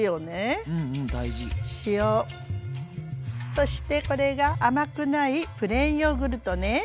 そしてこれが甘くないプレーンヨーグルトね。